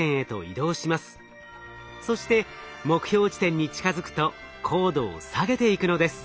そして目標地点に近づくと高度を下げていくのです。